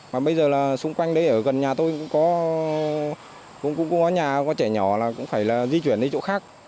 và bây giờ là xung quanh đấy ở gần nhà tôi cũng có nhà có trẻ nhỏ là cũng phải di chuyển đến chỗ khác